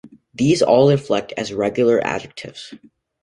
These all inflect as regular adjectives.